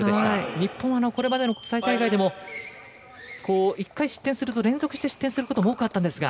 日本はこれまでの国際大会でも１回失点すると連続して失点することも多くあったんですが。